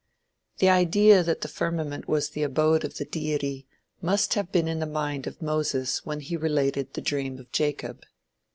The idea that the firmament was the abode of the Deity must have been in the mind of Moses when he related the dream of Jacob.